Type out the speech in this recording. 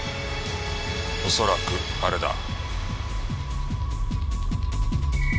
恐らくあれだ。